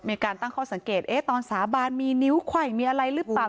มีการตั้งข้อสังเกตตอนสาบานมีนิ้วไขว้มีอะไรหรือเปล่า